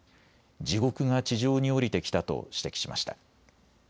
地獄が地上に降りてきたと指摘しました。